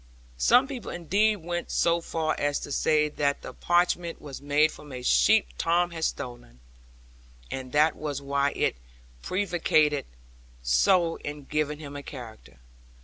Some people indeed went so far as to say that the parchment was made from a sheep Tom had stolen, and that was why it prevaricated so in giving him a character.